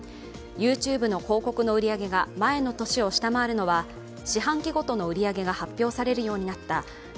ＹｏｕＴｕｂｅの広告の売り上げが前の年を下回るのは四半期ごとの売り上げが発表されるようになった